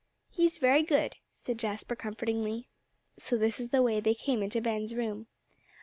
"He's very good," said Jasper comfortingly. So this is the way they came into Ben's room.